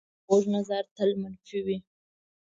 کوږ نظر تل منفي وي